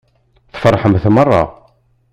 Tfeṛḥemt meṛṛa.